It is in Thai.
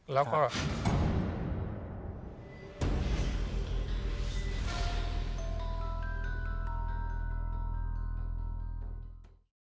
สวัสดีครับ